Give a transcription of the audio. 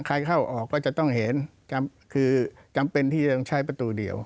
เข้าออกก็จะต้องเห็นคือจำเป็นที่จะต้องใช้ประตูเดียว